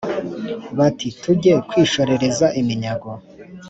Bati: Tujye kwishorereza iminyago